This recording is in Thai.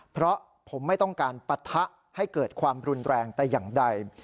เพราะผมไม่ต้องการปะทะให้เกิดความรุนแรงแต่อย่างใด